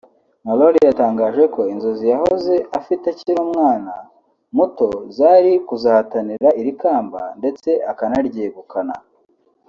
Mallory yatangaje ko inzozi yahoze afite akiri umwana muto zari kuzahatanira iri kamba ndetse akanaryegukana